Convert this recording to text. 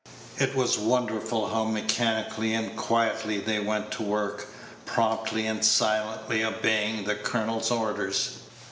It was wonderful how mechanically and quietly they went to work, promptly and silently obeying the colonel's orders.